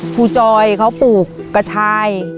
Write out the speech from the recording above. ครูจอยเขาปลูกกระชาย